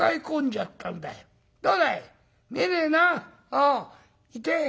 「ああ。痛え」。